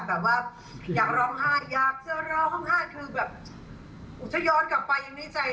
แบบว่าอยากร้องไห้อยากจะร้องไห้คือแบบถ้าย้อนกลับไปยังในใจ